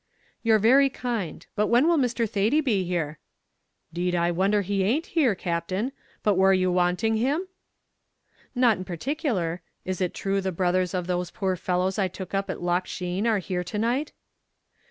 "You're very kind; but when will Mr. Thady be here?" "'Deed I wonder he a'nt here, Captain; but war you wanting him?" "Not in particular. Is it true the brothers of those poor fellows I took up at Loch Sheen are here to night?"